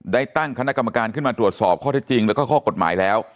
ได้ตั้งคณะกรรมการขึ้นมาตรวจสอบข้อเท็จจริงแล้วก็ข้อกฎหมายแล้ว